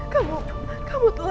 kamu telah menuduhku meneluh